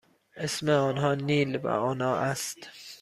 اسم آنها نیل و آنا است.